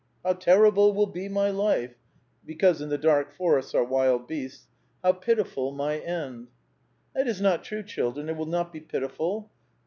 How terrible will be my life ! Because in the dark forests are wild beasts. How pitiful my end 1 " That is not true, children ; it will not be pitif il.